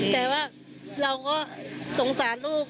แต่ว่าเราก็สงสารลูก